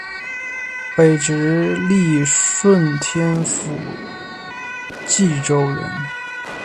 北直隶顺天府蓟州人。